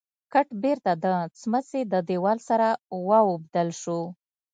ګټ بېرته د سمڅې د دېوال سره واوبدل شو.